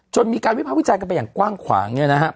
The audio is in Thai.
จนมีการวิภาพวิจัยกันไปกว้างขวาง